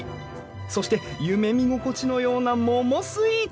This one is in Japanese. そして夢見心地のような桃スイーツ！